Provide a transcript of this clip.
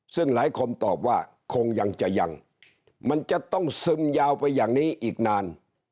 ซึ่งหลายคนตอบว่าคงยังจะยังมันจะต้องซึมยาวไปอย่างนี้อีกนาน